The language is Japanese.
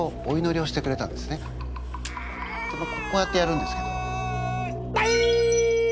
こうやってやるんですけど。